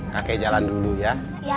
kakek jalan dulu ya